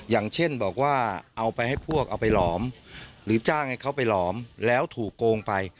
อย่างเช่นบอกว่าเอาไปให้พวกเอาไปหลอมหรือจ้างให้เขาไปหลอมแล้วถูกโกงไป